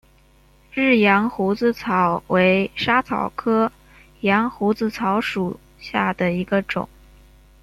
日羊胡子草为莎草科羊胡子草属下的一个种。